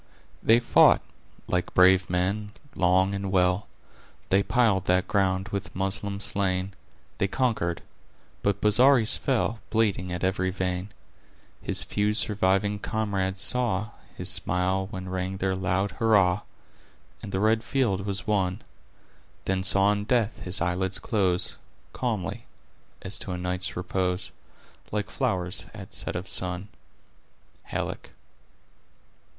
"They fought, like brave men, long and well, They piled that ground with Moslem slain, They conquered—but Bozzaris fell, Bleeding at every vein. His few surviving comrades saw His smile when rang their loud hurrah, And the red field was won; Then saw in death his eyelids close Calmly, as to a night's repose, Like flowers at set of sun." —Halleck.